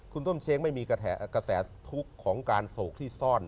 คุณต้มเช้งไม่มีกระแสทุกข์ของการโศกที่ซ่อน